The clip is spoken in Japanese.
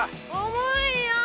重いよ！